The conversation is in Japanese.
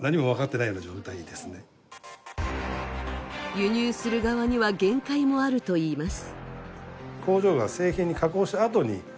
輸入する側には限界もあるといいます。